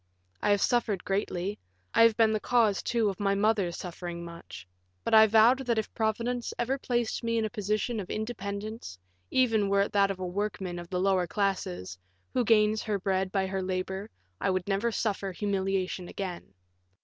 I have suffered greatly; I have been the cause, too, of my mother suffering much; but I vowed that if Providence ever placed me in a position of independence, even were it that of a workman of the lower classes, who gains her bread by her labor, I would never suffer humiliation again.